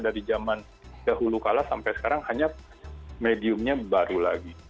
dari zaman dahulu kalah sampai sekarang hanya mediumnya baru lagi